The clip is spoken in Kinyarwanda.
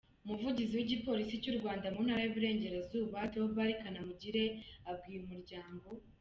Umuvugizi w’Igipolisi cy’u Rwanda mu Ntara y’Uburengerazuba, Theobard Kanamugire abwiye Umuryango.